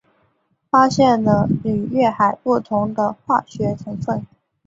发现了与月海不同的化学成分。